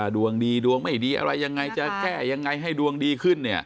ดวงดีดวงไม่ดีอะไรยังไงจะแก้ยังไงให้ดวงดีขึ้น